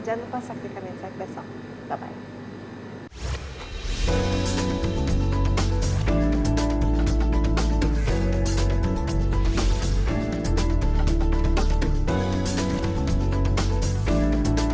jangan lupa saksikan insight besok